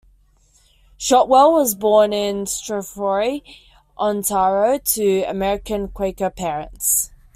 Shotwell was born in Strathroy, Ontario, to American Quaker parents.